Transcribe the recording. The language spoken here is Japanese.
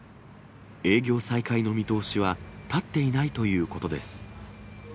営業再開の見通しは立っていないということです。